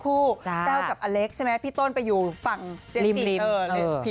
แก้ลกับอเล็กซ์ใช่ไหมพี่ต้นไปอยู่ฝั่งเจมส์จี